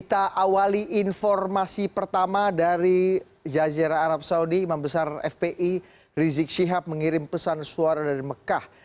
kita awali informasi pertama dari jazirah arab saudi imam besar fpi rizik syihab mengirim pesan suara dari mekah